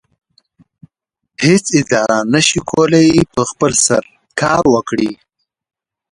هیڅ اداره نشي کولی په خپل سر کار وکړي.